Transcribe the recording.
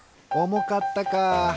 おもかったか。